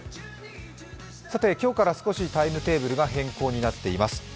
今日から少しタイムテーブルが変更となっています。